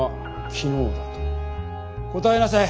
答えなさい。